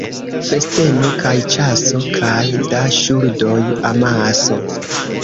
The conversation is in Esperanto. Festeno kaj ĉaso kaj da ŝuldoj amaso.